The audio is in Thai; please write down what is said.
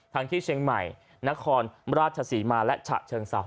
ที่เชียงใหม่นครราชศรีมาและฉะเชิงเซา